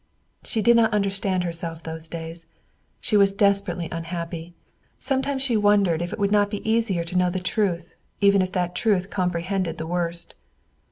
She did not understand herself those days. She was desperately unhappy. Sometimes she wondered if it would not be easier to know the truth, even if that truth comprehended the worst.